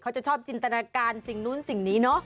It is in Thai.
ชอบจินตนาการสิ่งนู้นสิ่งนี้เนอะ